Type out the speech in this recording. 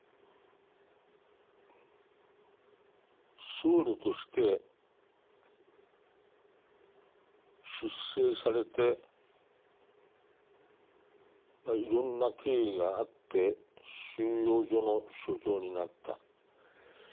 僧侶として出征されていろんな経緯があって収容所の所長になった。